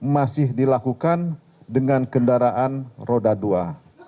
masih dilakukan dengan kendaraan roda dua